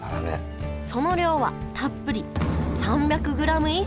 その量はたっぷり３００グラム以上！